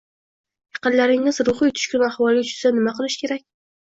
Yaqinlaringiz ruhiy tushkun ahvolga tushsa nima qilish kerak?